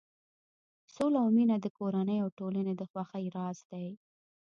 سوله او مینه د کورنۍ او ټولنې د خوښۍ راز دی.